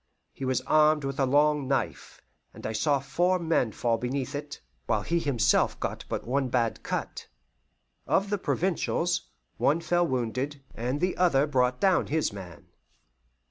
He was armed with a long knife, and I saw four men fall beneath it, while he himself got but one bad cut. Of the Provincials, one fell wounded, and the other brought down his man.